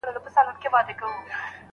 سوله د سيمې د پرمختګ شرط دی.